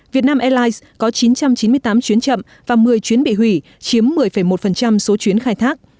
việt nam airlines có chín trăm chín mươi tám chuyến chậm và một mươi chuyến bị hủy chiếm một mươi một số chuyến khai thác